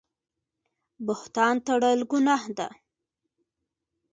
بهتان تړل ګناه ده